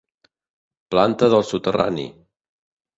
Planta del soterrani: